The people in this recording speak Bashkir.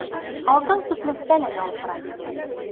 Алтын сүплектә лә ялтырай.